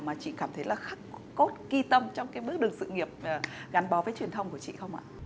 mà chị cảm thấy là khắc cốt ghi tâm trong cái bước đường sự nghiệp gắn bó với truyền thông của chị không ạ